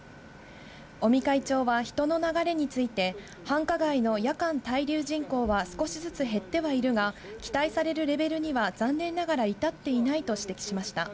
尾身会長は、人の流れについて、繁華街の夜間滞留人口は少しずつ減ってはいるが、期待されるレベルには残念ながら至っていないと指摘しました。